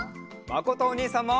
まことおにいさんも！